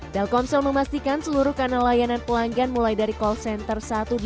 telkomsel memastikan seluruh kanal layanan pelanggan mulai dari call center satu ratus delapan puluh